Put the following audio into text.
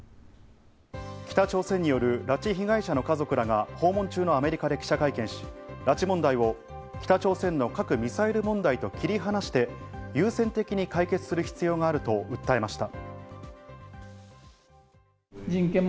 北朝鮮による拉致被害者の家族らが訪問中のアメリカで記者会見し、拉致問題を北朝鮮の核・ミサイル問題と切り離して優先的に解決する必要があると訴えました。